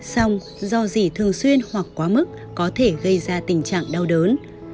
xong do dị thường xuyên hoặc quá mức có thể gây ra tình trạng đau đớn